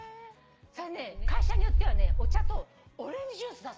それでね会社によってはお茶とオレンジジュース出す所もあるんだって。